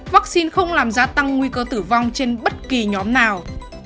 vắc xin không làm ra tăng nguy cơ tử vong trên bất kỳ nhóm nào